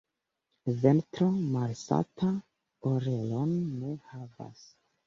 Ventro malsata orelon ne havas.